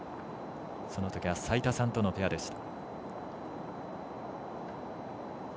そのときは齋田さんとのペアでした。